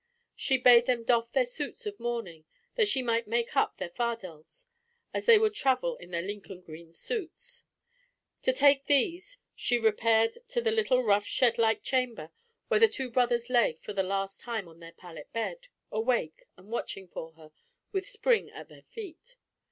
She bade them doff their suits of mourning that she might make up their fardels, as they would travel in their Lincoln green suits. To take these she repaired to the little rough shed like chamber where the two brothers lay for the last time on their pallet bed, awake, and watching for her, with Spring at their feet.